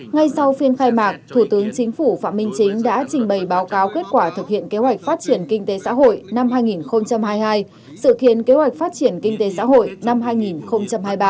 ngay sau phiên khai mạc thủ tướng chính phủ phạm minh chính đã trình bày báo cáo kết quả thực hiện kế hoạch phát triển kinh tế xã hội năm hai nghìn hai mươi hai sự khiến kế hoạch phát triển kinh tế xã hội năm hai nghìn hai mươi ba